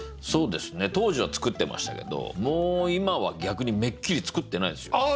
そうですね当時は作ってましたけどもう今は逆にめっきり作ってないですよ。